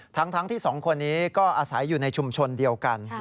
ทั้งที่๒คนนี้ก็อาศัยอยู่ในชุมชนเดียวกัน